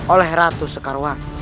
oleh ratu sekarwang